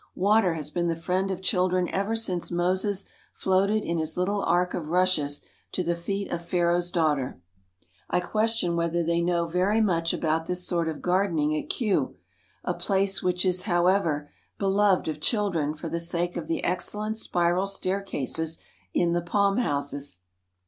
Water has been the friend of children ever since Moses floated in his little ark of rushes to the feet of Pharaoh's daughter. I question whether they know very much about this sort of gardening at Kew, a place which is, however, beloved of children for the sake of the excellent spiral staircases in the palm houses.